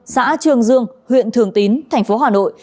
xã trường dương huyện thường tín thành phố hà nội